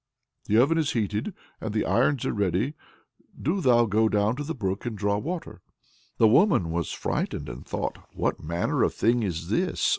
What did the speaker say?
The oven is heated and the irons are ready; do thou go down to the brook and draw water." The woman was frightened, and thought: "What manner of thing is this?"